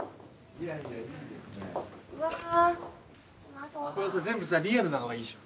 これさ全部リアルなのがいいでしょ？